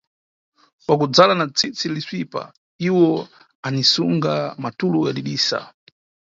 Wakudzala na tsisi lisvipa, iwo anisunga matulo yadidisa.